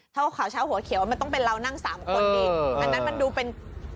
ถ้าข่าวเช้าหัวเขียวมันต้องเป็นเรานั่งสามคนดิอันนั้นมันดูเป็น